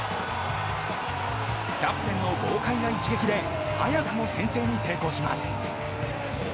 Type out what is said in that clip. キャプテンの豪快な一撃で早くも先制に成功します。